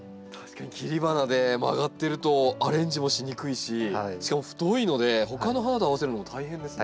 切り花で曲がっているとアレンジもしにくいししかも太いのでほかの花と合わせるのも大変ですね。